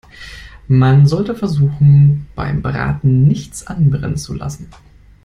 Man sollte versuchen, beim Braten nichts anbrennen zu lassen.